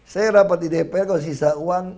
saya rapat di dpr kalau sisa uang